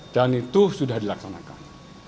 dan itu sudah dilaksanakan